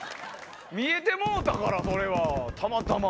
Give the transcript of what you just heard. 見えてもうたからそれはたまたま。